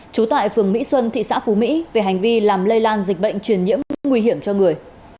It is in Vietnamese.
trú tại phường mỹ xuân thị xã phú mỹ về hành vi làm lây lan dịch bệnh truyền nhiễm nguy hiểm cho người